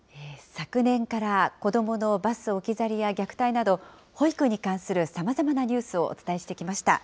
昨年から子どものバス置き去りや虐待など、保育に関するさまざまなニュースをお伝えしてきました。